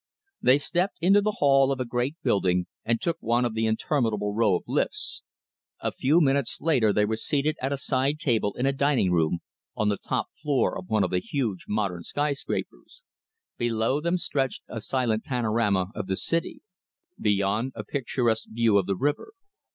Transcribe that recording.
They stepped into the hall of a great building, and took one of the interminable row of lifts. A few minutes later they were seated at a side table in a dining room on the top floor of one of the huge modern skyscrapers. Below them stretched a silent panorama of the city; beyond, a picturesque view of the river.